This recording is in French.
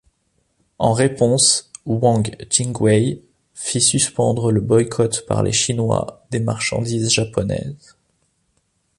En réponse, Wang Jingwei fit suspendre le boycott par les chinois des marchandises japonaises.